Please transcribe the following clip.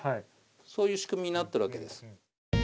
そういう仕組みになってるわけです。